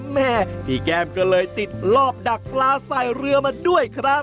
แม่พี่แก้มก็เลยติดรอบดักปลาใส่เรือมาด้วยครับ